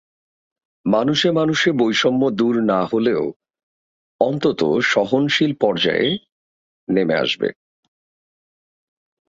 মানুষে মানুষে বৈষম্য দূর না হলেও অন্তত সহনশীল পর্যায়ে নেমে আসবে।